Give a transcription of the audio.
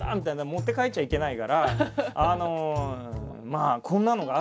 持って帰っちゃいけないからあのまあこんなのがあったっつって。